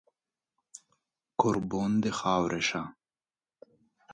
کوربون د خاورې شه